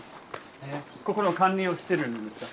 ここの管理をしてるんですか？